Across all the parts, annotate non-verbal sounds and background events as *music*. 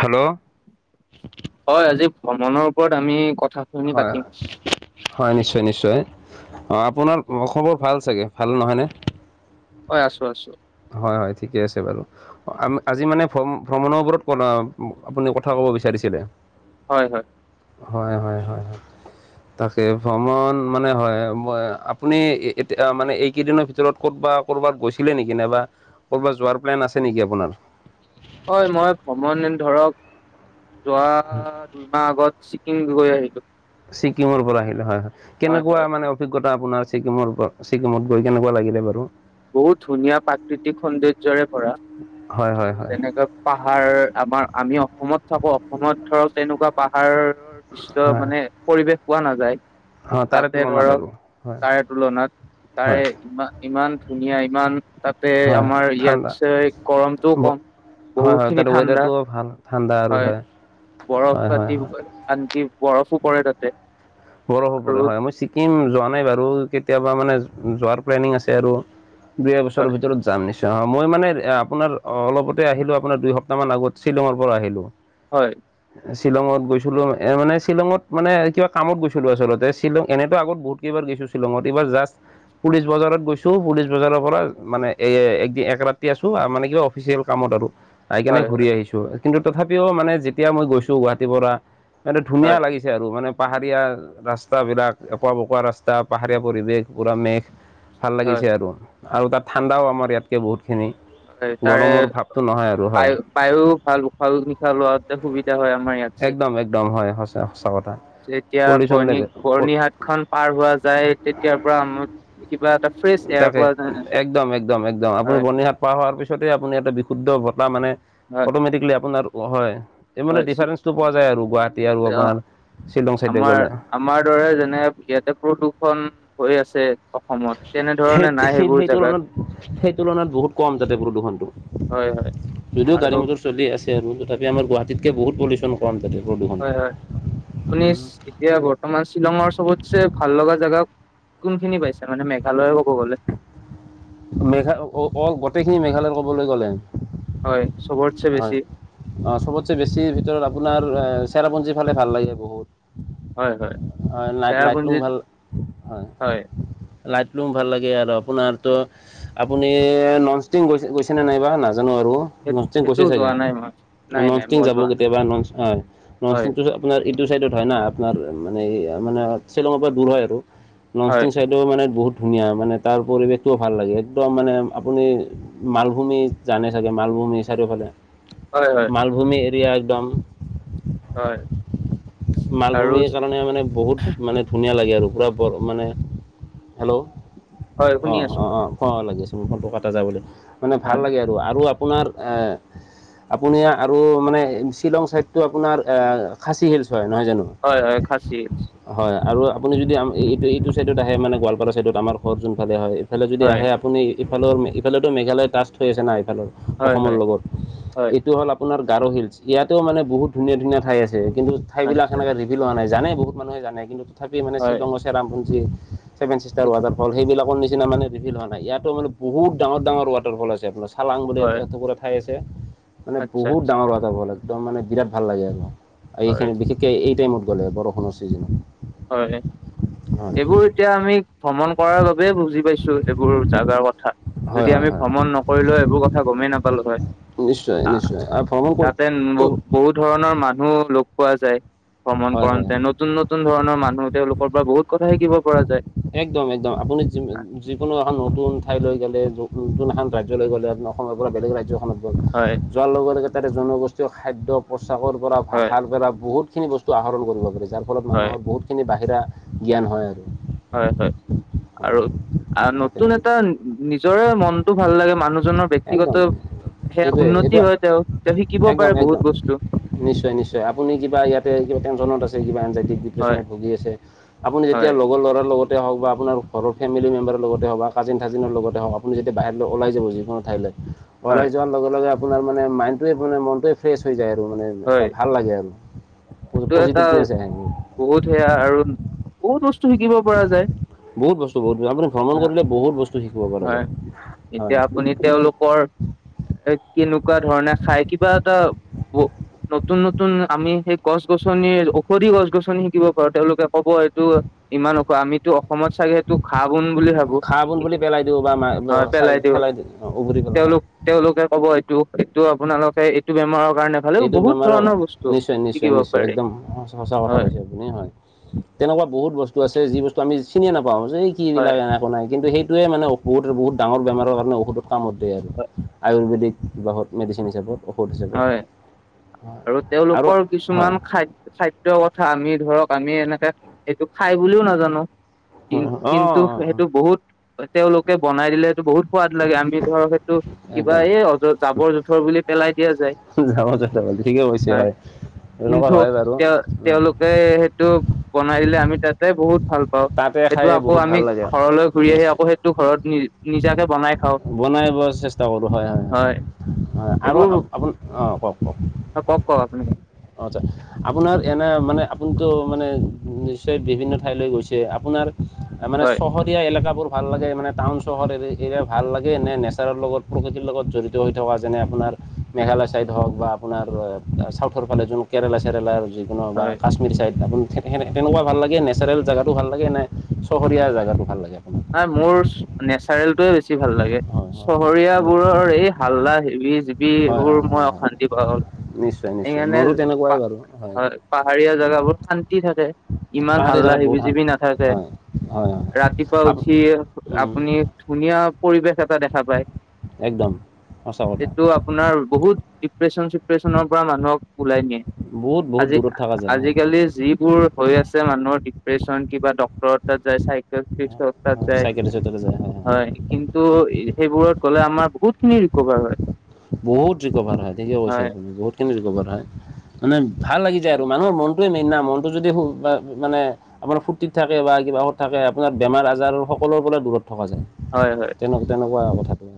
Hello, হয় আজি ভ্ৰমণৰ ওপৰত আমি কথা হয়- হয় নিশ্চয় -নিশ্চয় অ, আপোনাৰ ম'খবৰ ভাল চাগে ভাল নহয়নে? হয় আছোঁ- আছোঁ। হয়- হয় ঠিকে আছে বাৰু। অ, আজি মানে ভ্ৰম -ভ্ৰমণৰ ওপৰত কলা আপুনি কথা ক'ব বিচাৰিছিলে? হয়-হয়। হয়-হয়-হয়-হয়। তাকে ভ্ৰমণ মানে হয় মই আপুনি এতিয়া মানে এইকেইদিনৰ ভিতৰত ক'তবা ক'ৰবাত গৈছিলে নেকি নাইবা ক'ৰবা যোৱাৰ প্লেন আছে নেকি আপোনাৰ? হয় মই ভ্ৰমণ ধৰক যোৱা দুইমাহ আগত ছি ছিকিম গৈ আহিলোঁ। ছিকিমৰ পৰা আহিলে হয়- হয় কেনেকুৱা মানে অভিজ্ঞতা আপোনাৰ ছিকিমৰ ওপৰত ছিকিমত গৈ কেনেকুৱা লাগিলে বাৰু? বহুত ধুনীয়া প্ৰাকৃতিক সৌন্দৰ্যৰে ভৰা হয় হয় আৰু হয় যেনেকা পাহাৰ আমাৰ আমি অসমত থাকোঁ অসমত ধৰক তেনেকুৱা পাহাৰৰ ইচব হয় মানে পৰিৱেশ পোৱা নাযায়। অ তাৰে তাতে তুলনাত ধৰক আৰু হয় তাৰে তুলনাত হয় তাৰে ইমান- ইমান ধুনীয়া ইমান তাতে হয় হয় আমাৰ ঠাণ্ডা ইয়াতচে গৰমটোও ব- কম। হয় -হয় বহুখিনি তাত ঠাণ্ডা ৱেডাৰটোও ভাল ঠাণ্ডা আৰু হয়। বৰফ হয় হয় পাতি হয় *unintelligible* আনকি বৰফো পৰে তাতে। বৰফো আৰু পৰে হয় মই ছিকিম যোৱা নাই বাৰু কেতিয়াবা মানে যোৱাৰ প্লেনিং আছে আৰু দুই এবছৰ হয় ভিতৰত যাম নিশ্চয় অ, মই মানে এ আপোনাৰ অলপতে আহিলোঁ আপোনাৰ দুই সপ্তাহ মান আগত শ্বিলঙৰ পৰা আহিলোঁ। হয়। শ্বিলঙত গৈছিলো এ মানে শ্বিলঙত মানে কিবা কামত গৈছিলোঁ আচলতে শ্বিলং এনেতো আগত বহুত কেইবাৰ গৈছোঁ শ্বিলঙত এইবাৰ জাষ্ট পুলিচ বজাৰত গৈছোঁ পুলিচ বজাৰৰ পৰা মানে এ একদি এক ৰাতি আছোঁ আৰ মানে কিবা অফিচিয়েল কামত আৰু আহি কেনে হয় হয় ঘূৰি আহিছোঁ কিন্তু তথাপিও মানে যেতিয়া মই গৈছোঁ গুৱাহাটীৰ পৰা এইটো হয় ধুনীয়া লাগিছে আ আৰু মানে পাহাৰীয়া ৰাস্তাবিলাক একোৱা- বকোৱা ৰাস্তা পাহাৰীয়া পৰিৱেশ পুৰা মেঘ ভাল হয় লাগিছে আৰু- আৰু তাত ঠাণ্ডাও আমাৰ ইয়াতকে বহুতখিনি। হয় তাৰে গৰমৰ ভাৱটো নহয় আৰু হয় বায় বায়ু ভাল উশাহ নিশাহ লোৱাতে সুবিধা হয় আমাৰ ইয়াত। একদম একদম হয় সঁচা সঁচা কথা। যেতিয়া পলিউশ্যন বৰ্ণি লেভেল বৰ্ণিহাট খন পাৰ হোৱা যায় তেতিয়াৰ পৰা কিবা এটা ফ্ৰেছ এয়াৰ তাকে পোৱা যায়। একদম একদম আপুনি হয় বন খোৱা হোৱাৰ পিছতে আপুনি এটা বিশুদ্ধ বতাহ মানে হয় অট'মেটিকলী আপোনাৰ হয়। এই মানে হয় ডিফাৰেন্সটো পোৱা যায় আৰু গুৱাহাটী আৰু অ আপোনাৰ শ্বিলং চাইডে আমাৰ গ'লে আমাৰ দৰে যেনে ইয়াতে প্ৰদূষন হৈ আছে অসমত সেই তেনেধৰণে নাই সেই- সেইবোৰ সেই তুলনাত জেগাত। সেই তুলনাত বহুত কম যাতে প্ৰদূৰষণতটো হয় হয় যদিও আৰু গাড়ী মটৰ চলি আছে। আৰু তথাপি আমাৰ গুৱাহাটীকে বহুত পলিচন *inaudible* হয় হয় আপুনি এতিয়া বৰ্ত তমাৰ শ্বিলংৰ চবতছে ভাল লগা জেগা কোনখিনি পাইছা মানে মেঘালয় ক'ব গ'লে? মেঘ অ অল গোটেইখিনি মেঘালয় ক'বলৈ গ'লে হয় চবতচে বেছি? হয় অ চবতে বেছি ভিতৰত আপোনাৰ চেৰাপুঞ্জী ফালে ভাল লাগে বহুত। হয় হয়। হয় লাই লাইটলোং চেৰাপুঞ্জীত ভাল হয়। লাইট লোংও ভাল লাগে আৰু আপোনাৰতো আপুনি এই নংষ্টটিং গৈছে গৈছেনে নাইবা নাজানোঁ আৰু', *unintelligible* ননষ্টিং গৈছে চাগে, যোৱা নাই মই নাই নাই নংষ্টটিং মই যাব যোৱা নাই কেতিয়াবা নংষ্ট হয়', হয় নংষ্টটিংটো', আপোনাৰ এইটো চাইডত হয় না আপোনাৰ মানে মানে শ্বিলঙৰ পৰা দূৰ হয় আৰু হয় নংষ্টটিং চাইড এটো মানে বহুত ধুনীয়া মানে তাৰ পৰিৱেশটোও ভাল লাগে একদম মানে আপুনি মালভূমি জানে চাগে মালভূমি চাৰিওফালে হয় হয় মালভূমি এৰিয়া একদম হয়। আৰু মালভূমিৰ কাৰণে মানে বহুত মানে ধুনীয়া লাগে আৰু পুৰা বৰ মানে হেল্ল' হয় শুনি অঁ আছো অঁ অঁ অঁ লাগিছে ফনটো কাটা যায় বুলি মানে ভাল হয় লাগে আৰু আৰু আপোনাৰ আপুনি আৰু মানে শ্বিলং চাইডটো আপোনাৰ অ', খাছী হিলছ হয় নহয় জানোঁ? হয়', হয়', খাছী হিলছ', হয় আৰু আপুনি যদি আম', এইটো এইটো চাইডত আহে মানে গোৱালপাৰা চাইডত আমাৰ ঘৰত যোনফালে হয়', ইফালে যদি হয় আহে আপুনি ইফালৰ ইফালেতো মেঘালয় টাষ্ট হৈ আছে না ইফালৰ', হয় অসমৰ হয় লগত হয় এইটো হ'ল আপ', আপোনাৰ গাৰো হিলছ, ইয়াতে মানে বহুত ধুনীয়া ধুনীয়া ঠাই আছে কিন্তু ঠাই বিলাক আচ্ছা সেনেকে ৰি', সুধি লোৱা নাই জানে বহুত মানুহে জানে কিন্তু তথাপি মানে হয় শ্বিলঙৰে চেৰাপুঞ্জীত', চেভেন চিষ্টাৰ্ছ ৱাটাৰ ফল সেইবিলাকৰ নিচিনা মানে বিবিধ ধৰণৰ ইয়াত মানে বহুত ডাঙৰ ডাঙৰ ৱাটাৰ ফল আপোনাৰ', চালাং বুলি এটা হয় এটুকুৰা ঠাই আছে মানে আচ্ছা বহুত আচ্ছা ডাঙৰ ৱাটাৰ ফল একদম মানে বিৰাট ভাল লাগে আৰু', হয় বিশেষ বিশেষকে এই টাইমত গ'লে বৰষুণৰ ছিজনত', হয়, হয়', হয় এইবোৰ এতিয়া আমি ভ্ৰমণ কৰাৰ বাবে বুজি পাইছোঁ এইবোৰ জাগাৰ কথা', হয় যদি হয় আমি হয় ভ্ৰমণ নকৰিলোঁ হয় এইবোৰ কথা গমেই নাপালোঁ হয়', নিশ্চয়, নিশ্চয়, আৰু ভ্ৰমণ কৰি এ', বহুত ধৰণৰ মানুহ লগ পোৱা যায়, ভ্ৰমণ হয় হয় কৰোঁতে নতুন নতুন ধৰণৰ', মানুহ, তেওঁলোকৰ পৰা বহুত কথা শিকিব পৰা যায়', একদম, একদম, আপুনি যি যিকোনো এখন নতুন ঠাইলৈ গলে নতুন এখন ৰাজ্যলৈ গ'লে আপোনাৰ', অসমৰ পৰা বেলেগ ৰাজ্যখনত গ'ল ', হয়', যোৱাৰ লগে লগে তাৰে জনগোষ্ঠীৰ খাদ্য পোছাকৰ পৰা হয় ভাষাৰ পৰা বহুতখিনি বস্তু', হেতু আহৰণ কৰিব পাৰি, যাৰ ফলত হয় মানুহৰ বহুতখিনি বাহিৰা জ্ঞান হয় আৰু', হয় হয় আৰু আ তাকে নতুন এটা নিজৰে মনটো ভাল লাগে মানুহজনৰ ব্যক্তিগত একদম সেয়া এইটোৱে উন্নতি এইটো হয় তেওঁ, তেওঁ শিকিব একদম পাৰে একদম বহুত বস্তু নিশ্চয় নিশ্চয় আপুনি কিবা ইয়াতে কিবা টেনচনত আছে কিবা এনজাইটিক হয় ডিপ্ৰেছনত ভুগি আছে আপুনি যেতিয়া হয় লগৰ ল'ৰাৰ লগতে হওঁক বা আপোনাৰ ঘৰৰ ফেমিলি মেম্বাৰৰ লগতে হওঁক বা কাজিন চাজিনৰ লগতে হওক আপুনি যেতিয়া বাহিৰলৈ ওলাই যাব যিকোনো ঠাইলৈ হয় ওলাই যোৱাৰ লগে লগে আপোনাৰ মানে মাইণ্ডটোৱে মনটোৱে ফ্ৰেছ হৈ যায় আৰু মানে এটা হয় ভাল লাগে আৰু এইটো এটা পজিটিভনেছ আহে বহুত সেয়া আৰু বহুত বস্তু শিকিব পৰা যায় বহুত বস্তু বহুত আপুনি ভ্ৰমণ হা কৰিলে বহুত বস্তু শিকিব পৰা হয় যায়, হয় এতিয়া আপুনি তেওঁলোকৰ এ কেনেকোৱা ধৰণে খাই কিবা এটা ব নতুন নতুন আমি সেই গছ গছনিৰ ঔষধি গছ গছনি শিকিব পাৰোঁ তেওঁলোকে ক'ব এইটো ইমান ঔষধ, আমিতো অসমত চাগে সেইটো ঘাঁহ বন বুলি ভাবো ঘাঁহ বন কিন্তু বুলি পেলাই দিও বা পেলাই দিও উঘালি পেলাও হয় তেওঁলোক তেওঁলোকে ক'ব এইটো, এইটো আপোনালোকে এইটো বেমাৰৰ কাৰণে ভালে এইটো বহুত বেমাৰৰ ধৰণৰ বস্তু পৰা নিশ্চয়, নিশ্চয়, শিকিব নিশ্চয়, পাৰি একদম সঁচা কথা কৈছে হয় নে নহয় তেনেকোৱা বহুত বস্তু আছে যি বস্তু আমি চিনিয়ে নাপাওঁ যে কি হয় বিলাক একো নাই কিন্তু সেইটোৱে বহুত বহুত ডাঙৰ বেমাৰৰ কাৰণে ঔষধ কামত দিয়ে আৰু হয় আয়ুৰ্বেদিক বাত মেডিচিন হিচাপত ঔষধ হিচাপত হয় আৰু হয় তেওঁলোকৰ হয় হয়। কিছুমান খা খাদ্যৰ কথা আমি ধৰক আমি এনেকে এইটো খাই বুলিও নাজানো। কি অঁ অঁ কিন্তু অঁ সেইটো বহুত তেওঁলোকে বনাই দিলে সেইটো বহুত সোৱাদ লাগে আমি ধৰক সেইটো কিবা একদম এই অ জাবৰ জোথৰ বুলি পেলাই দিয়া যায় জাবৰ দে জাবৰ দে, ঠিকে কৈছে হয় তেনেকুৱা কিন্তু হয় বাৰু তেওঁ উম। তেওঁলোকে সেইটো বনাই দিলে আমি তাতে বহুত ভাল পাওঁ তাতে সেইটো খাই আকৌ বহুত আমি ভাল লাগে ঘৰলৈ ঘুৰি আহি নিশ্চয় আকৌ সেইটো ঘৰত নি নিজাকে বনাই খাওঁ বনাই ব চেষ্টা কৰো হয় হয় হয় হয় আৰু আপোন অ কওক কওক অ কওক কওক আপুনি কওক অ', আচ্ছা আপোনাৰ এনে মানে আপুনিতো মানে নিশ্চয় বিভিন্ন ঠাইলৈ গৈছে আপোনাৰ মানে হয় চহ ৰীয়া এলেকাবোৰ ভাল লাগে মানে টাউন চহৰ এৰীয়া ভাল লাগে নে নেচাৰৰ লগত প্ৰকৃতিৰ লগত জড়িত জৰিত হোৱা যেনে আপোনাৰ মেঘালয় চাইড হওক বা আপোনাৰ এ চাউথ ফালে যোন কেৰেলা চেৰেলাৰ যিকোনো বা হয় কাশ্মীৰী চাইড আপুনি সে তেনেকোৱা ভাল লাগে নেচাৰেল জেগাটো ভাল লাগে নে চহৰীয়া জেগাটো ভাল লাগে আপোনাৰ? নাই মোৰ নেচাৰেলটোৱে বেছি ভাল লাগে হয় হয় হয় চহৰীয়াবোৰৰ এই হাল্লা সেভি যি হয় বোৰ হয় হয় মই হয় হয় অশান্তি পালো নিশ্চয় নিশ্চয় সেইকাৰণে মোৰো পা তেনেকুৱাই বাৰু হয় পাহাৰীয়া জোগাবোৰ শান্তি থাকে ইমান পাহাৰীয়া হাল্লা জেগাত হিবি বহুত জিবি শান্তি নাথাকে হয় হয় হয় ৰাতি পুৱা আপ উঠি উম, আপুনি ধুনীয়া পৰিৱেশ এটা দেখা পায়। একদম সঁচা কথা যিটো আ পোনাৰ বহুত ডিপ্ৰেশচন চিপ্ৰেশচনৰ পৰা মানুহক ওলাই নিয়ে। বহুত বহুত আজি দূৰত থকা - যায় আজি হয় কালি যিবোৰ হৈ আছে মানুহৰ ডিপ্ৰেশচন কিবা ডক্তৰৰ তাত যায় চাইছে তাত হয় যায় চাইকেলে চাইকেলে যায় হয়। কিন্তু সেইবোৰত গ'লে আমাৰ বহুত খিনি ৰিকভাৰ হয়। বহুত ৰিকভাৰ হয় ঠিকে কৈছে হয় বহুতখিনি ৰিকভাৰ হয়। মানে ভাল লাগি যায় আৰু মানুহৰ মনটোৱে মেইন না মনটো যদি মানে আপোনাৰ ফূৰ্তিত থাকে বা কিবাত থাকে আপোনাৰ বেমাৰ আজাৰ সকলোৰে পৰা দূৰত থকা যায়। হয় - হয়। তেনেকোৱা - তেনেকুৱা আৰু কথাটো।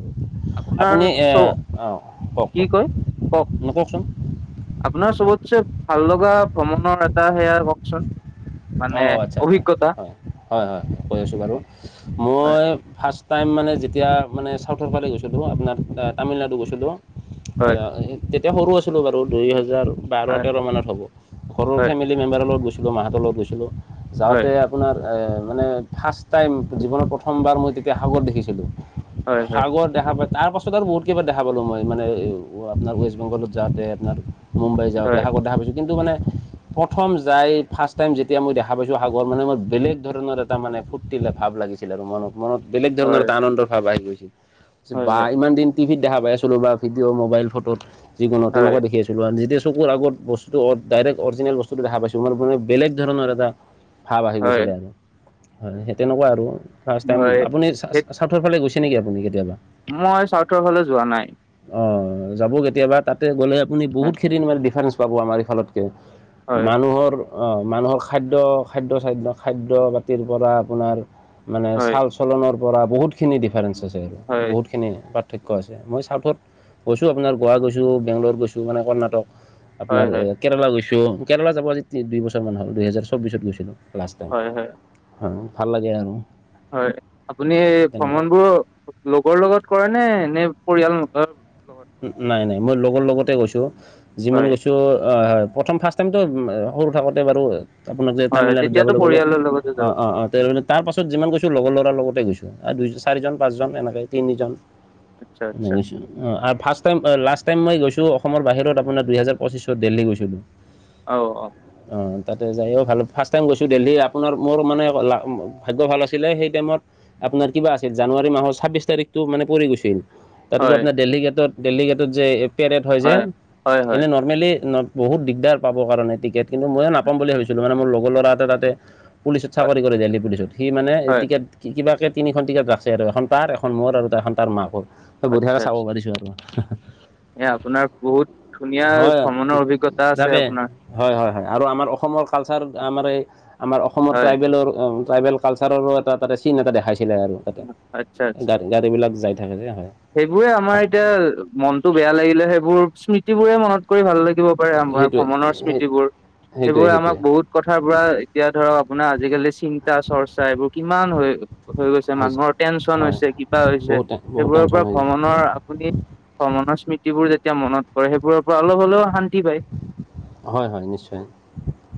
আপোনাৰ চ' অ', কওক - কি কওক, কয় কওক নকওকচোন। আপোনাৰ চবতছেে ভাল লগা ভ্ৰমণৰ এটা সেয়া কওকচোন। মানে অ, আচ্ছা - আচ্ছা অভিজ্ঞতা হয় - হয় - হয়, কৈ আছো বাৰু হয় মই ফাৰ্ষ্ট টাইম মানে যেতিয়া মানে চাউথৰ ফালে গৈছিলো আপোনাৰ তামিলনাডু গৈছিলো হয় এই, তেতিয়া সৰু আছিলো বাৰু দুই হাজাৰ। বাৰ হয় তেৰ মানত হ'ব ঘৰৰ হয় ফেমিলি মেম্বাৰৰ লগত গৈছিলোঁ মাহঁতৰ লগত গৈছিলোঁ হয় যাওতে আপোনাৰ এ মানে ফাৰ্ষ্ট টাইম জীৱনত প্ৰথমবাৰ মই তেতিয়া সাগৰ দেখিছিলো। হয় হয় সাগৰ দেখা পা তাৰ পাছত আৰু বহুত কেইবাৰ দেখা পালো মই মানে আপোনাৰ ৱেষ্ট বেংগলত যাওতে আপোনাৰ মুম্বাই যাওতে হয় সাগৰ দেখা পাইছো কিন্তু মানে প্ৰথম যাই ফাৰ্চ টাইম। এতিয়া মই দেখা পাইছো সাগৰ মানে মোৰ বেলেগ ধৰণৰ এটা মানে ফুৰ্তিলে ভাব লাগিছিলে মনত মনত বেলেগ ধৰণৰ হয় এটা আনন্দৰ ভাৱ আহি গৈছিল হয় বা ইমান দিন। টিভিত দেখা পাই আছিলো বা ভিডিঅ' মবাইল ফটোত যিকোনো হয় তেনেকুৱা দেখি আছিলো। যেতিয়া চকুৰ আগত বস্তু ডাইক্ট অৰিজিনেল বস্তুটো দেখা পাইছো মোৰ মানে বেলেগ ধৰণৰ এটা ভাৱ আহি হয় গৈছিলে আৰু হয় সেই তেনেকুৱা আৰু ফাৰ্ষ্ট টাইম হয় আপুনি সেই চাউথৰ ফালে গৈছে নেকি আপুনি কেতিয়াবা? মই চাউথৰফালে যোৱা নাই। অ' যাব কেতিয়াবা তাতে গ'লে আপুনি বহুত হয় খিনি মানে ডিফাৰেন্ঞ্চ পাব আমাৰ এইফালতকে। হয় মানুহৰ অহ মানুহৰ খাদ্য- খাদ্য চাদ্য খাদ্য পাতিৰ পৰা আপোনাৰ। মানে হয় চাল চলনৰ পৰা বহুতখিনি ডিফাৰেন্ঞ্চ আছে আৰু হয় বহুত সেইখিনি পাৰ্থক্য আছে মই চাউথত গৈছো আপোনাৰ গোৱা গৈছো বেংগলৰ গৈছো মানে কৰ্ণাটক। হয় আপোনাৰ এ হয় কেৰেলা গৈছো। কেৰেলা যাব আজি দুই বছৰ মান হ'ল দুহেজাৰ চৌবিশত গৈছিলো। লাষ্ট টাইম হয় হয় হয় ভাল লাগে আৰু। হয়, আপুনি তেনেকুৱা ভ্ৰমণ বোৰ লগৰ লগত কৰেনে নে পৰিয়ালৰ লগত। কৰে নাই - নাই মই লগৰ লগতে গৈছো। যিমান হয় গৈছো প্ৰথম ফাৰ্ষ্ট টাইমতো সৰু থাকোতে বাৰু আপোনাক যে হয় হয় তামিলনাডুত তেতিয়াতো যাবলৈ ক'লো পৰিয়ালৰ লগতে যাব অ', অ', অ', তে তাৰপাছত যিমান গৈছোঁ লগৰ ল'ৰাৰ লগতে গৈছোঁ দুই চাৰিজন পাঁচজন এনেকৈ তিনিজন। আচ্ছা আচ্ছা *unintelligible* ফাৰ্ষ্ট টাইম, লাষ্ট টাইম মই গৈছিলোঁ অসমৰ বাহিৰত আপোনাৰ দুহেজাৰ পঁচিশত দেল্হী গৈছিলোঁ। অ'- অ' অ' তাতে যায়ও ভাল ফাৰ্ষ্ট টাইম গৈছোঁ দেলহি আপোনাৰ মোৰ মানে ভাগ্য ভাল আছিলে, সেই টাইমত আপোনাৰ কিবা আছিল, জানুৱাৰী মাহৰ ছাব্বিছ তাৰিখতটো মানে পৰি গৈছিল। তাতো হয় আপোনাৰ দেলহি গেটত দেলহি গেটত এপিয়াৰেত হয় যে হয় হয় *unintelligible* নৰ্মেলি বহুত দিগদাৰ পাব কাৰণে টিকেট, কিন্তু মইে নাপাম বুলি ভাবিছিলো মানে মোৰ লগৰ লৰা এটা তাতে। পুলিচত হয় চাকৰি কৰে দেল্হী পুলিচত। সি মানে হয় টিকেট। কিবাকে তিনিখন টিকেট ৰাখে আৰু এখন তাৰ, এখন মোৰ, আৰু এখন তাৰ মাকৰ আচ্ছা বঢ়িয়াকে চাব আচ্ছা পাৰিছো আৰু। *inaudible* এ আপোনাৰ বহুত ধুনীয়া হয় ভ্ৰমণৰ অভিজ্ঞতা আছে তাকে আপোনাৰ। হয়- হয় -হয় আৰু আমাৰ অসমৰ কালচাৰ আমাৰ এই আমাৰ অসমৰ হয় ট্ৰাইবেলৰ। ট্ৰাইবেল কালচাৰৰো এটা তাতে চিন এটা দেখাইছিলে আৰু তাতে আচ্ছা আচ্ছা গা গাড়ীবিলাক যাই থাকে যে হয়। সেইবোৰে আমাৰ এতিয়া মনতটো বেয়া লাগিলে সেইবোৰ স্মৃতি বোৰে মনত কৰি ভাল লাগিব। আমাৰ সেইটোৱে ভ্ৰমণৰ স্মৃতি বোৰ সেইটোৱে সেইবোৰে আমাক সেইটোৱে বহুত। কথাৰ পৰা এতিয়া ধৰক আপোনাৰ আজিকালি চিন্তা চৰ্চা এইবোৰ কিমান হয়। হৈ গৈছে হৈছে মানুহৰ টেনচন হয় হৈছে কিবা হৈছে বহুত বহুত সেইবোৰৰ। টেনশ্যন পৰা হৈ গৈছে ভ্ৰমণৰ আপুনি ভ্ৰমণৰ স্মৃতিবোৰ যেতিয়া মনত কৰে, সেইবোৰৰ পৰা অলপ হলেও শান্তি পায়। হয়- হয় নিশ্চয়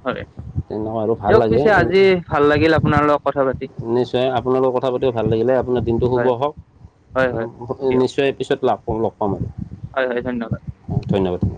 হয় তেনেকুৱা আৰু ভাল দিয়ক লাগে। পিছে আজি ভাল লাগিল আপোনাৰ লগত কথা পাতি নিশ্চয় আপোনালোকৰ কথা পাতি ভাল লাগিলে আপোনাৰ দিনটো শুভ হয় হওক। হয় হয় আম্ভ- দিয়ক নিশ্চয় পিছত লাগ পম লগ পাম আৰু হয় হয় ধন্যবাদ ধন্যবাদ।